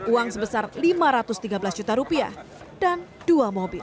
uang sebesar lima ratus tiga belas juta rupiah dan dua mobil